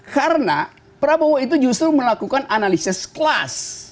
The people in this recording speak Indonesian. karena prabowo itu justru melakukan analisis kelas